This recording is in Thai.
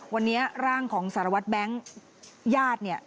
วันนี้ร่างของสารวัตรแบงค์ญาติเนี่ย